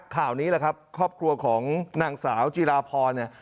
ข่าวนี้แหละครับครอบครัวของนางสาวจีราพรเนี่ย